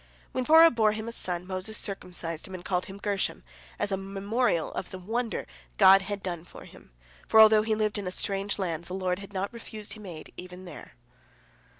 When Zipporah bore him a son, Moses circumcised him, and called him Gershom, as a memorial of the wonder God had done for him, for although he lived in a "strange" land, the Lord had not refused him aid even "there."